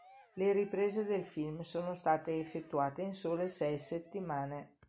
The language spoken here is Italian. Le riprese del film sono state effettuate in sole sei settimane.